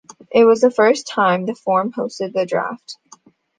It was the first time the Forum hosted the draft.